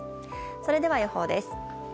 それでは予報です。